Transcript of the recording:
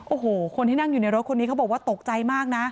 โอ้โหคนที่นั่งอยู่ในรถคนนี้เขาบอกว่าตกใจมากนะ